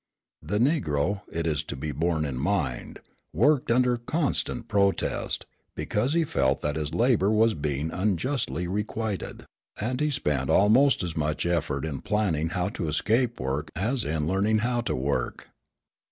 The Negro, it is to be borne in mind, worked under constant protest, because he felt that his labour was being unjustly requited; and he spent almost as much effort in planning how to escape work as in learning how to work.